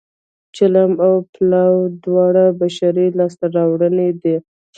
چلم او پلاو دواړه بشري لاسته راوړنې دي